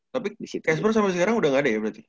tapi casper sampe sekarang udah gak ada ya berarti